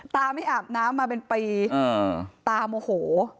ตาโหมโห